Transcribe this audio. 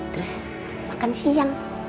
terus makan siang